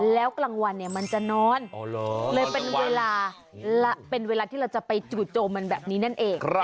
แล้วกลางวันมันจะนอนเลยเป็นเวลาที่เราจะไปจู่โจมมันแบบนี้นั่นเอง